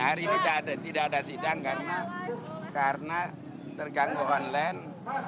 hari ini tidak ada sidang karena terganggu online